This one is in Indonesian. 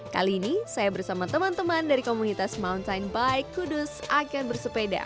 kali ini saya bersama teman teman dari komunitas mountain bike kudus akan bersepeda